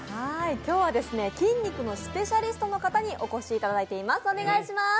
今日は筋肉のスペシャリストの方にお越しいただいています。